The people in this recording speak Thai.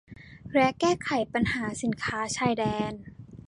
และแก้ไขปัญหาสินค้าชายแดน